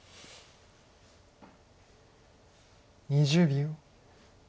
２０秒。